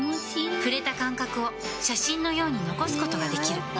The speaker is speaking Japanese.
触れた感覚を写真のように残すことができる。